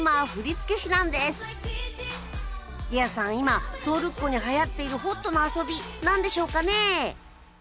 今ソウルっ子にはやっているホットな遊び何でしょうかね？